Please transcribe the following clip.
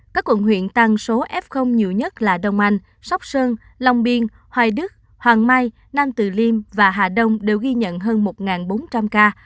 các quận huyện tăng số f nhiều nhất là đông anh sóc sơn long biên hoài đức hoàng mai nam từ liêm và hà đông đều ghi nhận hơn một bốn trăm linh ca